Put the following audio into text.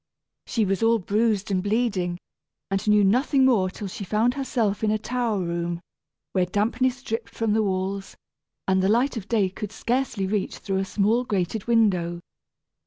She was all bruised and bleeding, and knew nothing more till she found herself in a tower room, where dampness dripped from the walls, and the light of day could scarcely reach through a small grated window.